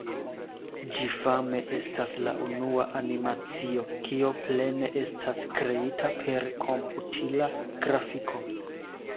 Ĝi fame estas la unua animacio, kio plene estas kreita per komputila grafiko.